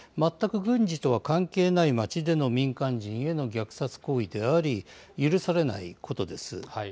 全く軍事とは関係ない町での民間人への虐殺行為であり、許されないことです。